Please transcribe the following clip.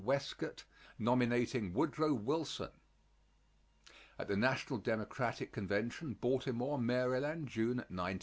WESCOTT_ NOMINATING WOODROW WILSON At the National Democratic Convention, Baltimore, Maryland, June, 1912.